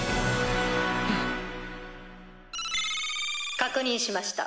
確認しました。